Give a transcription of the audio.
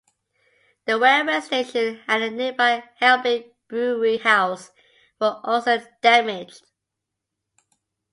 The railway station and the nearby Helbig brewery house were also damaged.